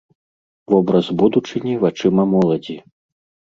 Вобраз будучыні вачыма моладзі.